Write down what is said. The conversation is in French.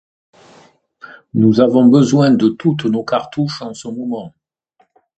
Nous avons besoin de toutes nos cartouches en ce moment.